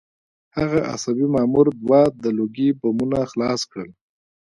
هغه عصبي مامور دوه د لوګي بمونه خلاص کړل